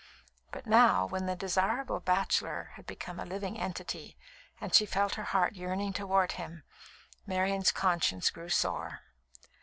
But now, when the "desirable bachelor" had become a living entity, and she felt her heart yearning towards him, Marian's conscience grew sore.